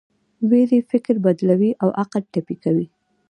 ویرې فکر بدلوي او عقل ټپي کوي.